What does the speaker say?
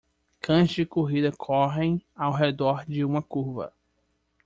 Cães de corrida correm ao redor de uma curva.